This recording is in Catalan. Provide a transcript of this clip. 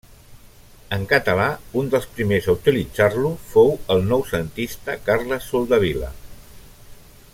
En català, un dels primers a utilitzar-lo fou el noucentista Carles Soldevila.